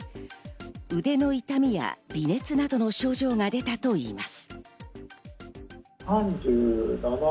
腕の痛みや微熱などの症状が出たといいます。